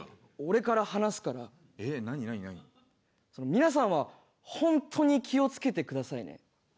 皆さんは本当に気を付けてくださいね。